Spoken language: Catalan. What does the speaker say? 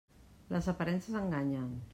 Les aparences enganyen!